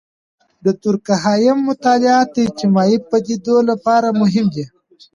د دورکهايم مطالعات د اجتماعي پدیدو لپاره مهم دي.